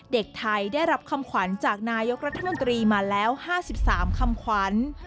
เด็กไทยได้รับคำขวัญจากนายกรัฐมนตรีมาแล้ว๕๓คำขวัญ